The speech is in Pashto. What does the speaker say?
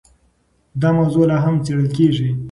دا موضوع لا هم څېړل کېږي.